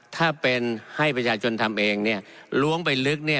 ถ้าเป็นให้ประชาชนทำเองเนี่ยล้วงไปลึกเนี่ย